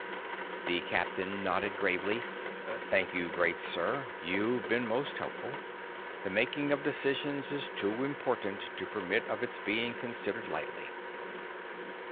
The captain nodded gravely. "Thank you, great sir. You've been most helpful. The making of decisions is too important to permit of its being considered lightly."